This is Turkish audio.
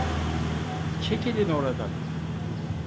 Çekilin oradan!